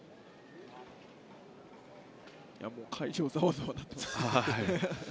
会場、ざわざわなってますね。